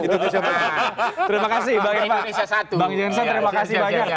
terima kasih bang jensen